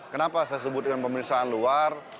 kenapa saya sebutkan pemeriksaan luar